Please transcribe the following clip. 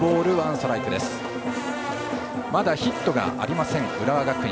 まだヒットがありません浦和学院。